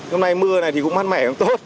hôm nay mưa này thì cũng mát mẻ cũng tốt